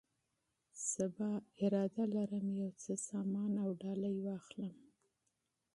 سبا نیت لرم یو څه سامان او تحفې واخلم.